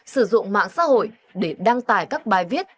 sử dụng mạng xã hội để đăng tải các bài viết